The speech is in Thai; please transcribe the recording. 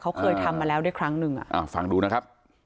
คือทะเลาะหรอเนี่ยเนี่ยเนาะ